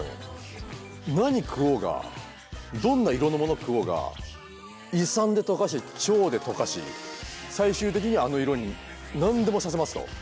何食おうがどんな色のもの食おうが胃酸で溶かして腸で溶かし最終的にはあの色に何でもさせますと。